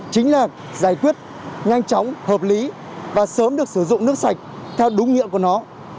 chính là giải quyết nhanh chóng hợp lý và sớm được sử dụng nước sạch theo đúng nhiệm của nó